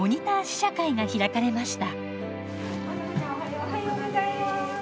おはようございます。